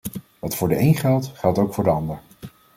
Wat voor de één geldt, geldt ook voor de ander.